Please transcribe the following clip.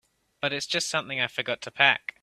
But it's just something I forgot to pack.